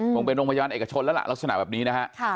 คงเป็นโรงพยาบาลเอกชนแล้วล่ะลักษณะแบบนี้นะฮะ